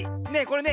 ね